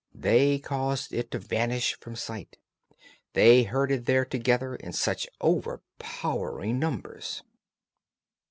They caused it to vanish from sight. They herded there together in such overpowering numbers.